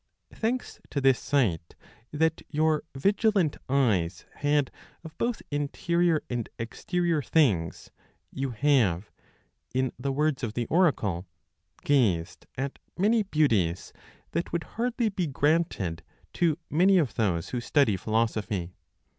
"Thanks to this sight that your 'vigilant' eyes had of both interior and exterior things, you have," in the words of the oracle, "gazed at many beauties that would hardly be granted to many of those who study philosophy."